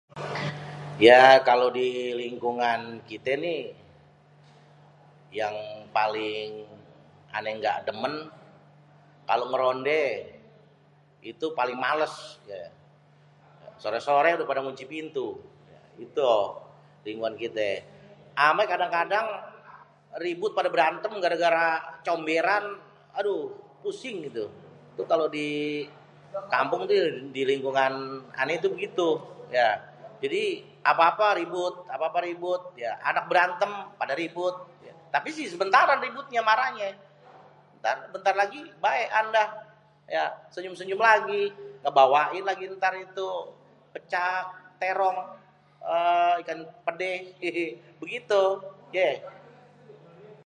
Ya kalo di lingkungan kité nih yang paling ané gak demen kalo ngerondé itu paling males. Sore-sore udah pada ngunci pintu. Itu lingkungan kité. Amé kadang-kadang ribut pada berantem gara-gara comberan. Aduh pusing gitu. Kalo di kampung tuh di lingkungan ané tuh begitu. Jadi apa-apa ribut apa-apa ribut. Ya anak berantem pada ribut. Tapi sih sebentaran ributnya, marahnyé. Bentar lagi baekan dah ya senyum-senyum lagi. Ngebawain lagi ntar itu pecak terong eee ikan pedé hehe begitu yé.